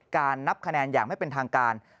นับคะแนนอย่างไม่เป็นทางการ